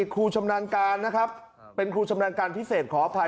ชำนาญการนะครับเป็นครูชำนาญการพิเศษขออภัย